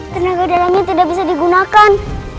tenaga dalamnya tidak bisa digunakan